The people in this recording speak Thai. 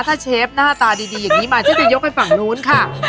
ถ้าเชฟหน้าตาดีอย่างนี้มาฉันจะยกไปฝั่งนู้นค่ะ